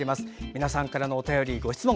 皆さんからのお便り、ご質問